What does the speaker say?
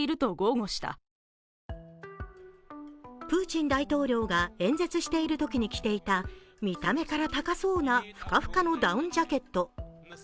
プーチン大統領が演説しているとに着ていた見た目から高そうなふかふかのダウンジャケット。